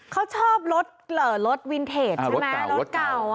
เขาชอบรถวินเทจรถเก่า